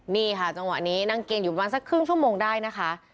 นี่ค่ะจังหวะนี้นั่งเกียงอยู่ประมาณสักครึ่งชั่วโมงได้นะคะ